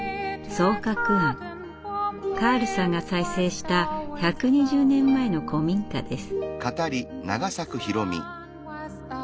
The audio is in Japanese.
カールさんが再生した１２０年前の古民家です。